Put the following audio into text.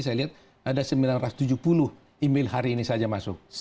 saya lihat ada sembilan ratus tujuh puluh email hari ini saja masuk